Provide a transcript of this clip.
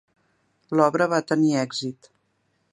L'obra va tenir èxit.